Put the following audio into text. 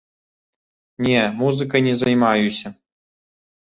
Не, музыкай не займаюся.